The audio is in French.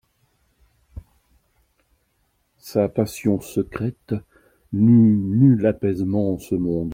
Sa passion secrète n'eut nul apaisement en ce monde.